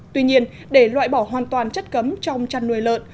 tuy nhiên để loại bỏ hoàn toàn chất cấm trong chăn nuôi lợn